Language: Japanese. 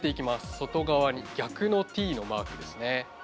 外側に逆のＴのマークですね。